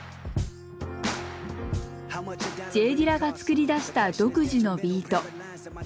Ｊ・ディラが作り出した独自のビート。